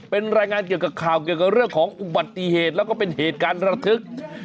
เป็นรายงานเกี่ยวกับข่าวเกี่ยวกับเรื่องของอุบัติเหตุแล้วก็เป็นเหตุการณ์ระทึก